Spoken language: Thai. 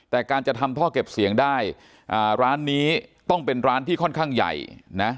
แต่การจะทำท่อเก็บเสียงได้ร้านนี้ต้องเป็นร้านที่ค่อนข้างใหญ่นะ